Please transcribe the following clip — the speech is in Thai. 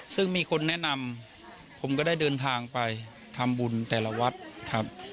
ซึ่งมีคนแนะนำผมก็ได้เดินทางไปทำบุญแต่ละวัดครับ